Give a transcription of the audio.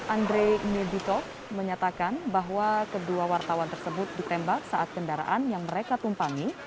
andre nibito menyatakan bahwa kedua wartawan tersebut ditembak saat kendaraan yang mereka tumpangi